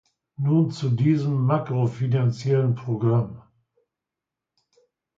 Nun zu diesem makrofinanziellen Programm.